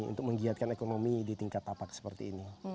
untuk menggiatkan ekonomi di tingkat tapak seperti ini